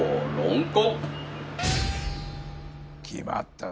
決まったぜ。